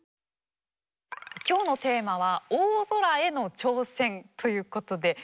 今日のテーマは「大空への挑戦」ということで。